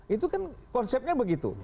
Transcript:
itu kan konsepnya begitu